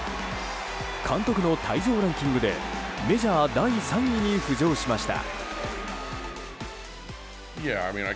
監督の退場ランキングでメジャー第３位に浮上しました。